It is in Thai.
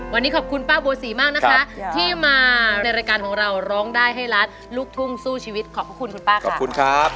วันนี้ขอบคุณป้าบัวสีมากนะคะที่มาในรายการของเราร้องได้ให้รัฐลูกทุ่งสู้ชีวิตขอบคุณคุณป้าค่ะ